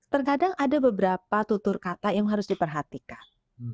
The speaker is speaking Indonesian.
terkadang ada beberapa tutur kata yang harus diperhatikan